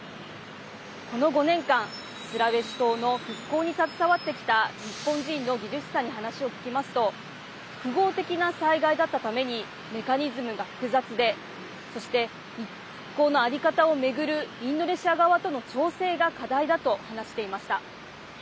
この５年間、スラヴェシ島の復興に携わってきた人に話を聞きますと複合的な災害だったためにメカニズムが複雑でそして、復興の在り方を巡るインドネシア側との調整が課題だと話していました。